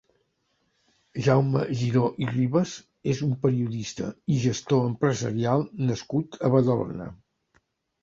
Jaume Giró i Ribas és un periodista i gestor empresarial nascut a Badalona.